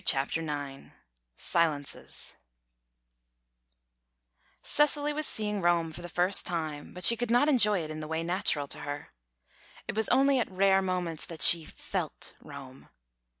CHAPTER IX SILENCES Cecily was seeing Rome for the first time, but she could not enjoy it in the way natural to her. It was only at rare moments that she felt Rome.